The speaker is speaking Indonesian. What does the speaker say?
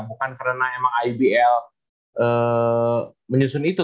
bukan karena emang ibl menyusun itu